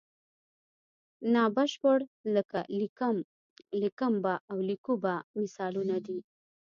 نا بشپړ لکه لیکم به او لیکو به مثالونه دي.